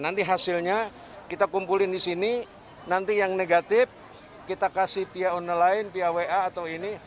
nanti hasilnya kita kumpulin di sini nanti yang negatif kita kasih via online via wa atau ini